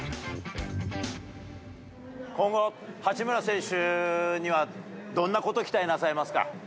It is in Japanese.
今後、八村選手にはどんなことを期待なさいますか。